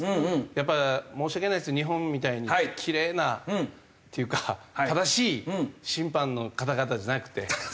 やっぱ申し訳ないですけど日本みたいにキレイなっていうか正しい審判の方々じゃなくて。